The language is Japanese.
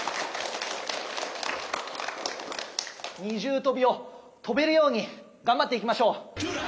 二重とびをとべるようにがんばっていきましょう。